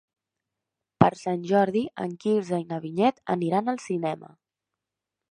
Per Sant Jordi en Quirze i na Vinyet aniran al cinema.